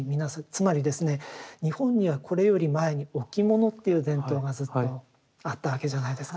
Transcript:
つまりですね日本にはこれより前に置物っていう伝統がずっとあったわけじゃないですか。